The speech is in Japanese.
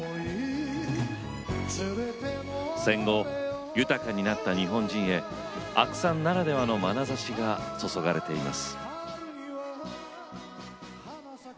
戦後、豊かになった日本人へ阿久さんならではのまなざしが注がれています。